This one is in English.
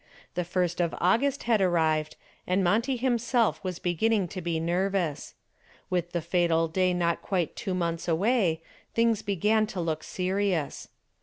The first of August had arrived and Monty himself was beginning to be nervous. With the fatal day not quite two months away, things began to look serious.